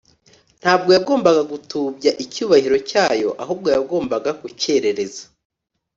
Ntabwo yagombaga gutubya icyubahiro cyayo, ahubwo yagombaga kucyerereza.